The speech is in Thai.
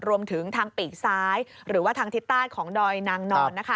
รวมถึงทางปีกซ้ายหรือว่าทางทิศใต้ของดอยนางนอนนะคะ